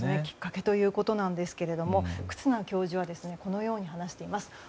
きっかけということですが忽那教授はこのように話しています。